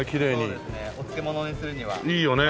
そうですねお漬物にするには。いいよね。